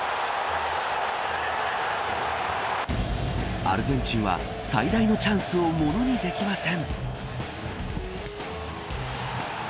アルゼンチンは最大のチャンスをものにできません。